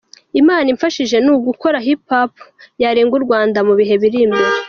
Imana imfashije ni ugukora hip hop yarenga u Rwanda mu bihe biri imbere.